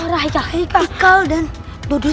rahika heikal dan dodot